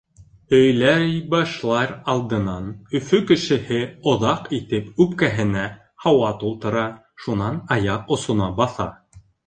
Һөйләй башлар алдынан Өфө кешеһе оҙаҡ итеп үпкәһенә һауа тултыра, шунан аяҡ осона баҫа.